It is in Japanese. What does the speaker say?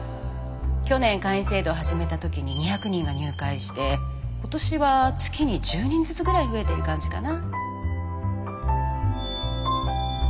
去年会員制度を始めた時に２００人が入会して今年は月に１０人ずつぐらい増えてる感じかな。